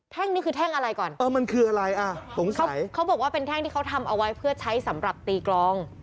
นี่คือแท่งอะไรก่อนเออมันคืออะไรอ่ะเขาเขาบอกว่าเป็นแท่งที่เขาทำเอาไว้เพื่อใช้สำหรับตีกลอง